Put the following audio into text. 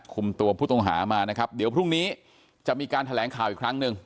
คุมตัวผู้ต้องหามานะครับเดี๋ยวพรุ่งนี้จะมีการแถลงข่าวอีกครั้งหนึ่ง